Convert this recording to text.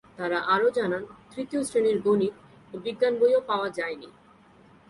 তাঁরা আরও জানান, তৃতীয় শ্রেণির গণিত ও বিজ্ঞান বইও পাওয়া যায়নি।